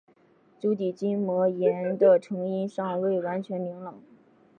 足底筋膜炎的成因尚未完全明朗。